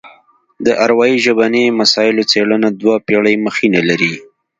د اروايي ژبني مسایلو څېړنه دوه پېړۍ مخینه لري